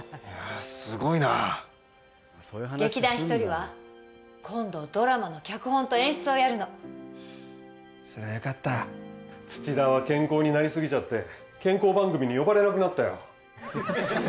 すごいな劇団ひとりは今度ドラマの脚本と演出をやるのそりゃよかった土田は健康になり過ぎちゃって健康番組に呼ばれなくなったよ